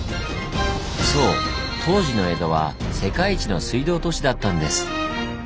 そう当時の江戸は世界一の水道都市だったんです！